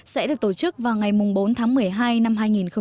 sẽ được tổ chức vào ngày bốn tháng một mươi hai năm hai nghìn một mươi sáu